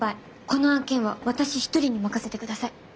この案件は私一人に任せてください。